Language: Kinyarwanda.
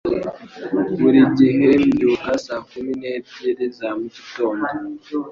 Buri gihe mbyuka saa kumi n'ebyiri za mu gitondo.